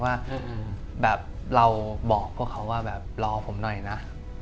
ว่าแบบเราบอกพวกเขาว่าแบบรอผมหน่อยนะ